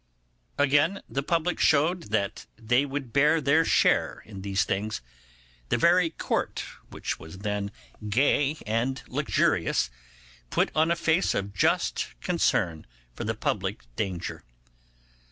Again, the public showed that they would bear their share in these things; the very Court, which was then gay and luxurious, put on a face of just concern for the public danger.